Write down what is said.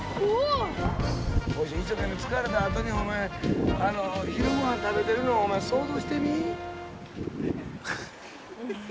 「一生懸命疲れた後にお前昼ご飯食べてるのを想像してみぃ」